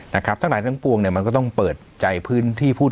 ทั้งหลายทั้งปวงเนี่ยมันก็ต้องเปิดใจพื้นที่พูด